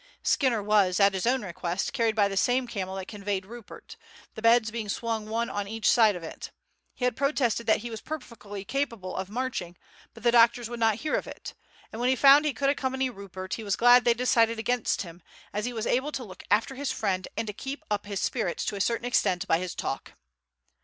Skinner was, at his own request, carried by the same camel that conveyed Rupert, the beds being swung one on each side of it. He had protested that he was perfectly capable of marching, but the doctors would not hear of it; and when he found that he could accompany Rupert he was glad that they decided against him, as he was able to look after his friend and to keep up his spirits to a certain extent by his talk.